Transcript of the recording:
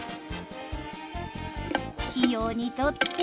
器用に取って。